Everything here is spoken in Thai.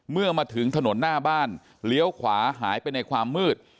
เมื่อมาถึงถนนหน้าบ้านเลี้ยวขวาหายไปในความมืด